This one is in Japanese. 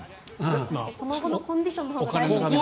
その後のコンディションのほうが大事ですよね。